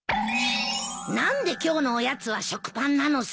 何で今日のおやつは食パンなのさ。